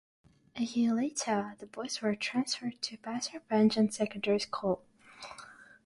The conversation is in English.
A year later the boys were transferred to Pasir Panjang Secondary School.